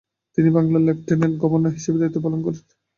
তিনি বাংলার lieutenant governor হিসাবে দায়িত্ব পালন করেন।